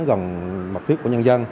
gần mặt tuyết của nhân dân